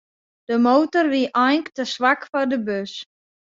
De motor wie eink te swak foar de bus.